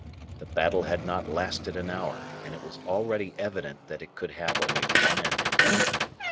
The battle had not lasted an hour, and it was already evident that it could have only one ending.